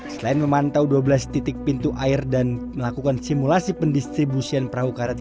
selain memantau dua belas titik pintu air dan melakukan simulasi pendistribusian perahu karet